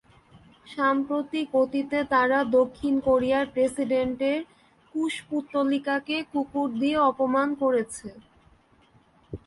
সাম্প্রতিক অতীতে তারা দক্ষিণ কোরিয়ার প্রেসিডেন্টের কুশপুত্তলিকাকে কুকুর দিয়ে অপমান করেছে।